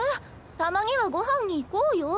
たまにはご飯に行こうよ。